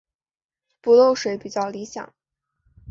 不漏水较理想。